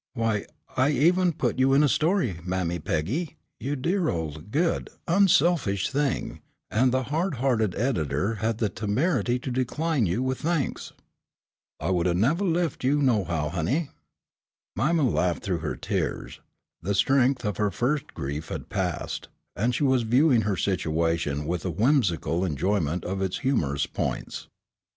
Why, I even put you in a story, Mammy Peggy, you dear old, good, unselfish thing, and the hard hearted editor had the temerity to decline you with thanks." "I wouldn't'a' nevah lef' you nohow, honey." Mima laughed through her tears. The strength of her first grief had passed, and she was viewing her situation with a whimsical enjoyment of its humorous points.